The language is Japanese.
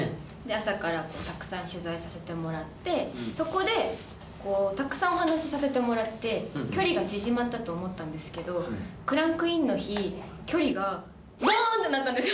朝からたくさん取材させてもらってそこでたくさんお話しさせてもらって距離が縮まったと思ったんですけどクランクインの日距離がボンってなったんですよ。